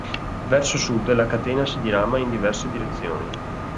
Verso sud la catena si dirama in diverse direzioni.